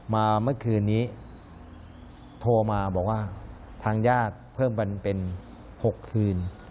เมื่อคืนนี้โทรมาบอกว่าทางญาติเพิ่มกันเป็น๖คืน